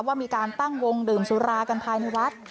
ว่ามีการตั้งวงดื่มสุรากันภายในวัด